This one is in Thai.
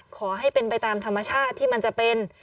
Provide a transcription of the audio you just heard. ขอให้เป็นไปตามธรรมชาติที่มันจะเป็น